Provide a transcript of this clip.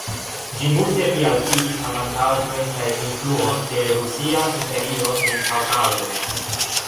Ĝi multe plialtigis avantaĝojn kaj influon de Rusia Imperio en Kaŭkazo.